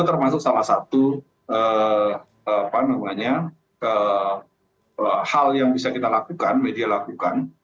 termasuk salah satu hal yang bisa kita lakukan media lakukan